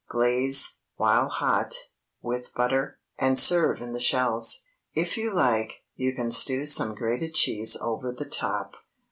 Glaze, while hot, with butter, and serve in the shells. If you like, you can strew some grated cheese over the top.